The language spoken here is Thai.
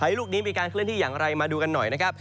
ลูกนี้มีการเคลื่อนที่อย่างไรมาดูกันหน่อยนะครับ